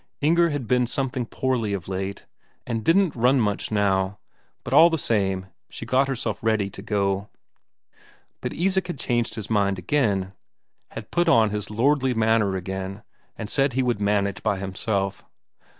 Inger had been something poorly of late, and didn't run much now, but all the same she got herself ready to go. But Isak had changed his mind again; had put on his lordly manner again, and said he would manage by himself.